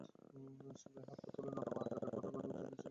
সোফায় হাত-পা তুলে আরাম করে ঘুমিয়ে চিকন শব্দে নাক ডাকছিল আমির আলী।